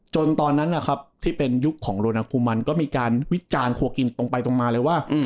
ตอนนั้นนะครับที่เป็นยุคของโรนาคูมันก็มีการวิจารณ์ครัวกินตรงไปตรงมาเลยว่า